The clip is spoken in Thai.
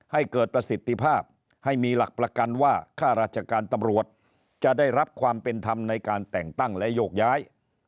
ให้เกิดประสิทธิภาพให้มีหลักประกันว่าค่าราชการตำรวจจะได้รับความเป็นธรรมในการแต่งตั้งและโยกย้าย